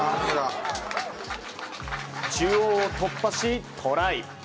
中央を突破しトライ！